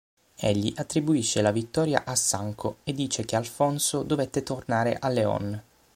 Egli attribuisce la vittoria a Sancho e dice che Alfonso dovette tornare a León.